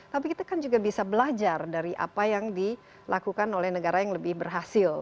tapi kita kan juga bisa belajar dari apa yang dilakukan oleh negara yang lebih berhasil